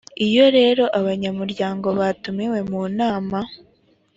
iyo rero abanyamuryango batumiwe mu nama